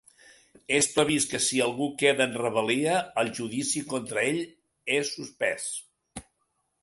És previst que si algú queda en rebel·lia, el judici contra ell és suspès.